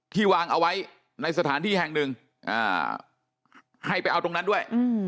วางเอาไว้ในสถานที่แห่งหนึ่งให้ไปเอาตรงนั้นด้วย